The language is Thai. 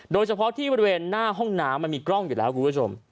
โดยเฉพาะที่บริเวณหน้าห้องน้ำมันมีกล้องอยู่แล้วคุณผู้ชม